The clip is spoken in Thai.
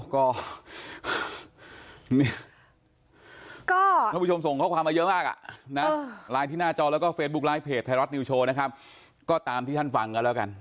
ขอบคุณครับขอบคุณธรรมดาทีวีอย่างมากครับ